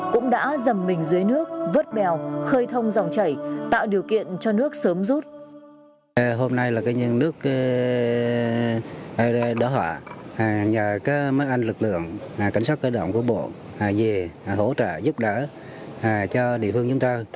cũng đã dầm mình dưới nước vớt bèo khơi thông dòng chảy tạo điều kiện cho nước sớm rút